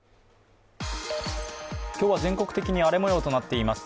今日は全国的に荒れもようとなっています。